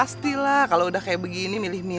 pasti lah kalau udah kayak begini milih milih